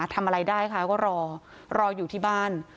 ทำอะไรได้คะก็รอรออยู่ที่บ้าน